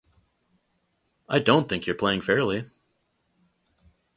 I don't think you're playing fairly!